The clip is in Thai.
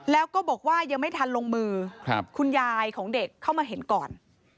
แล้วก็บอกว่ายังไม่ทันลงมือคุณยายของเด็กเข้ามาเห็นก่อน